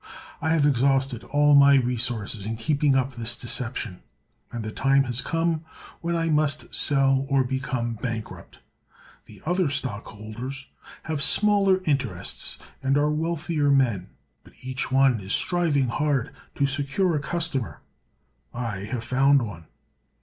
I have exhausted all my resources in keeping up this deception and the time has come when I must sell or become bankrupt. The other stockholders have smaller interests and are wealthier men, but each one is striving hard to secure a customer. I have found one."